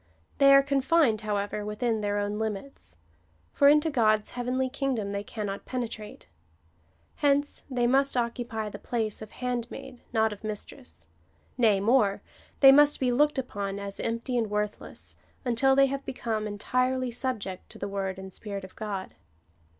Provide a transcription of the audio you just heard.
They are confined, however, within their own limits ; for into God's heavenly kingdom they cannot penetrate. Hence they must occupy the place of handmaid, not of mistress : nay more, they must be looked upon as empty and worth less, until they have become entirely subject to the word and Spirit of God.